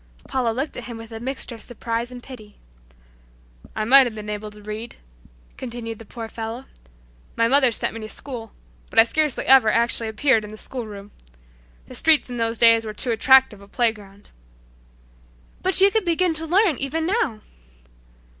Paula looked at him with a mixture of surprise and pity. "I might have been able to read," continued the poor fellow. "My mother sent me to school, but I scarcely ever actually appeared in the school room. The streets in those days were too attractive a playground." "But you could begin to learn even now!"